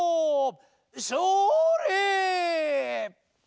それ！